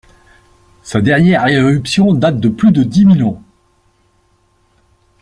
Sa dernière éruption date de plus de dix mille ans.